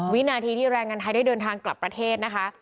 วินาทีที่แรงงานไทยได้เดินทางกลับประเทศนะคะ